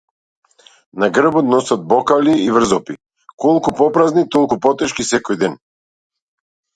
На грбот носат бокали и врзопи, колку попразни толку потешки секој ден.